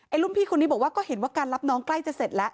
รุ่นพี่คนนี้บอกว่าก็เห็นว่าการรับน้องใกล้จะเสร็จแล้ว